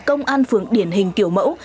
công an phường điển hình kiểu mẫu